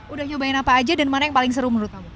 udah nyobain apa aja dan mana yang paling seru menurut kamu